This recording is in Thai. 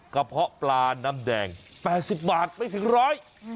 กะเพราะปลาน้ำแดงแปบสิบบาทไม่ถึงร้อย